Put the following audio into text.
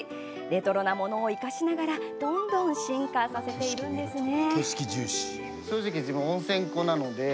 レトロなものを生かしながらどんどん進化させているんですね。